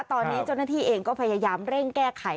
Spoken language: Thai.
ตอนนี้เจ้าหน้าที่เองก็พยายามเร่งแก้ไข